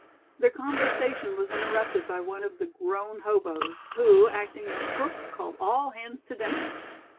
Their conversation was interrupted by one of the grown hoboes, who, acting as cook, called all hands to "dinner".